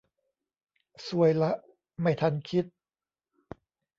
ซวยละ ไม่ทันคิด